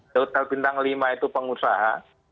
hotel bintang lima itu pengusaha